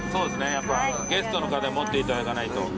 やっぱゲストの方持っていただかないと。